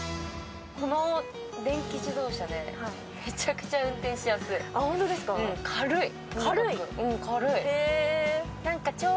この電気自動車、めちゃくちゃ運転しやすい、軽い。